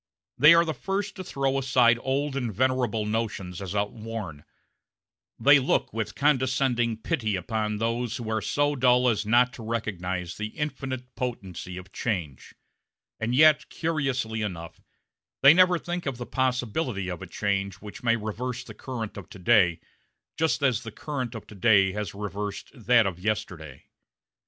They are the first to throw aside old and venerable notions as outworn; they look with condescending pity upon those who are so dull as not to recognize the infinite potency of change; and yet, curiously enough, they never think of the possibility of a change which may reverse the current of to day just as the current of to day has reversed that of yesterday.